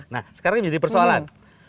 nah sekarang ini menjadi persoalan